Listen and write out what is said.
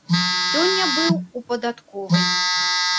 Сёння быў у падатковай.